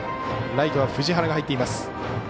ライトは藤原が入っています。